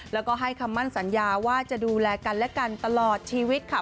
แล้วก็ให้คำมั่นสัญญาว่าจะดูแลกันและกันตลอดชีวิตค่ะ